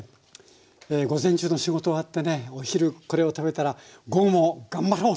午前中の仕事終わってねお昼これを食べたら午後も頑張ろう！